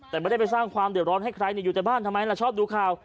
แต่ไม่ได้ไปสร้างความเดือดร้อนให้ใครอยู่แต่บ้านทำไมล่ะชอบดูข่าว